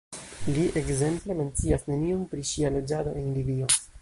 Li, ekzemple, mencias nenion pri ŝia loĝado en Libio.